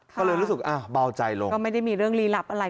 ก็เลยรู้สึกอ่ะเบาใจลงก็ไม่ได้มีเรื่องลีลับอะไร